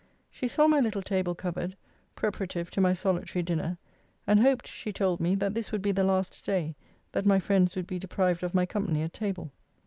She saw my little table covered, preparative to my solitary dinner; and hoped, she told me, that this would be the last day that my friends would be deprived of my company at table.